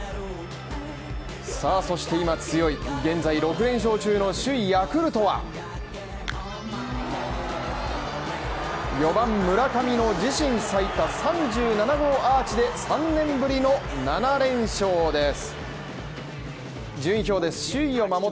さあそして今強い現在６連勝中の首位ヤクルトは、４番村上の自身最多３７号アーチで３年ぶりの７連勝です。